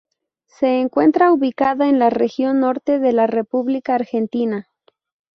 Se encuentra ubicada en la región norte de la República Argentina.